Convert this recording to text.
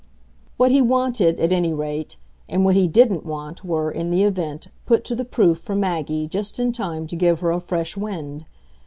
What he wanted, at any rate, and what he didn't want were, in the event, put to the proof for Maggie just in time to give her a fresh wind.